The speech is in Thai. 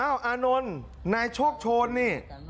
อานนท์นายโชคโชนนี่